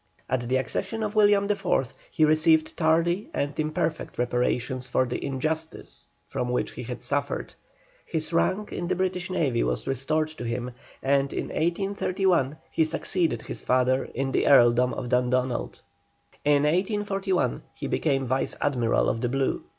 At the accession of William IV., he received tardy and imperfect reparation for the injustice from which he had suffered. His rank in the British Navy was restored to him, and in 1831 he succeeded his father in the Earldom of Dundonald. In 1841 he became Vice Admiral of the Blue.